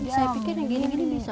saya pikir yang begini bisa